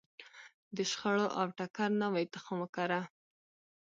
د شخړو او ټکر نوی تخم وکره.